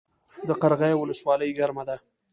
د قرغیو ولسوالۍ ګرمه ده